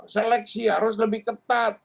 seleksi harus lebih ketat